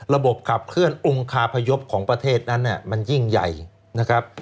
ระบบขับเคลื่อนองคาพยพของประเทศนั้นมันยิ่งใหญ่นะครับ